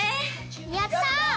やった！